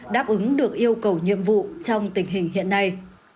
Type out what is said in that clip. đáp ứng được yêu cầu nhiệm vụ trong tình hình hiện nay